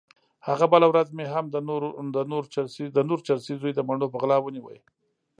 هغه بله ورځ مې هم د نور چرسي زوی د مڼو په غلا ونيو.